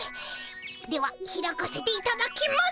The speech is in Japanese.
では開かせていただきます。